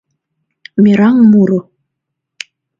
Мераҥ муро